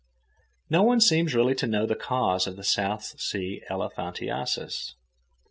No one seems really to know the cause of the South Sea elephantiasis.